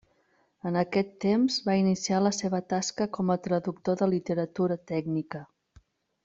En aquest temps va iniciar la seva tasca com a traductor de literatura tècnica.